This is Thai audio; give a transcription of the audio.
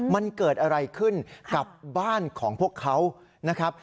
มันเกิดอะไรขึ้นกับบ้านของพวกเขานะครับ